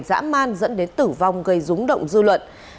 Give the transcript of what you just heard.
dã man dẫn đến tử vong gây rúng động dư luận